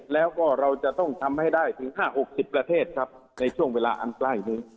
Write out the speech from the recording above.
แล้วก็เราจะต้องทำให้ได้ถึง๕๖๐ประเทศครับในช่วงเวลาอันใกล้นี้